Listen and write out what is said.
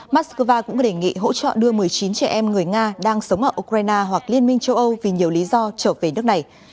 moscow cũng đề nghị hỗ trợ đưa một mươi chín trẻ em người nga đang sống ở ukraine hoặc liên minh châu âu vì nhiều lý do trở về nước này